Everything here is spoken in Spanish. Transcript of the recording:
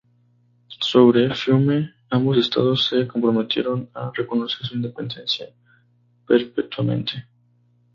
Sobre Fiume, ambos Estados se comprometieron a reconocer su independencia perpetuamente.